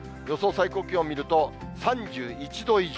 最高気温見ると、３１度以上。